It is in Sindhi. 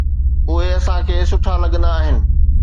اهي اسان کي سٺا لڳندا آهن.